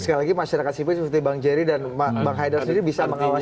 sekali lagi masyarakat sipil seperti bang jerry dan bang haidar sendiri bisa mengawasi